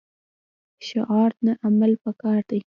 شعار نه عمل پکار دی